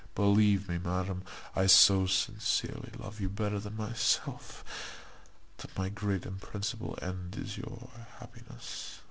Believe me, madam, I so sincerely love you better than myself, that my great and principal end is your happiness.